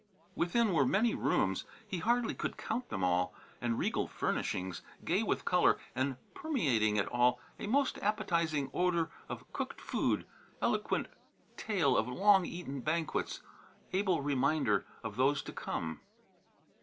Within were many rooms; he hardly could count them all; and regal furnishings, gay with colour; and, permeating it all, a most appetizing odour of cooked food, eloquent tale of long eaten banquets, able reminder of those to come.